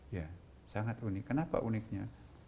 ya sangat unik kenapa uniknya